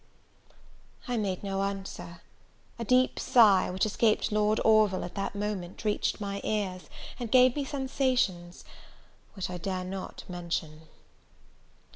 I made no answer; a deep sigh, which escaped Lord Orville at that moment, reached my ears, and gave me sensations which I dare not mention!